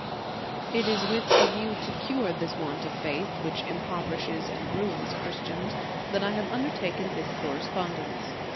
It is with a view to cure this want of faith, which impoverishes and ruins Christians, that I have undertaken this correspondence.